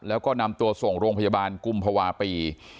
แล้วก็นำตัวส่งโรงพยาบาลกุมภาวะปี